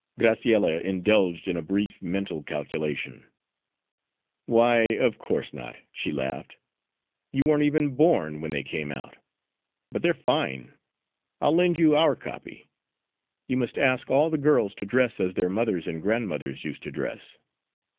Graciella indulged in a brief mental calculation. "Why, of course not," she laughed, "you weren't even born when they came out! But they're fine; I'll lend you our copy. You must ask all the girls to dress as their mothers and grandmothers used to dress.